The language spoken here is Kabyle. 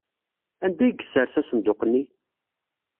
Anda ay yessers asenduq-nni?